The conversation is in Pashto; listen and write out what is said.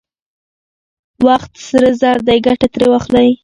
وخت سره زر دی، ګټه ترې واخلئ!